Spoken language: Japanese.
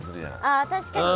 あ確かに。